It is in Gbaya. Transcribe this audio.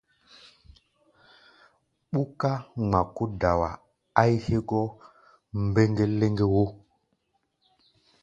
Ɓúká ŋmaa kó dawa a̧ʼi̧ hégɔ́ mbeŋge-leŋge wo!